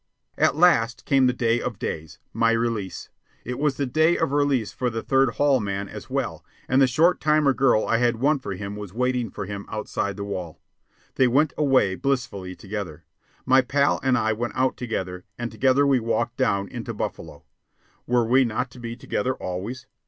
At last came the day of days, my release. It was the day of release for the Third Hall man as well, and the short timer girl I had won for him was waiting for him outside the wall. They went away blissfully together. My pal and I went out together, and together we walked down into Buffalo. Were we not to be together always?